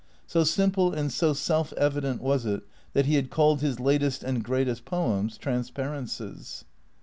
So simple and so self evident was it that he had called his latest and greatest poems " Transparences."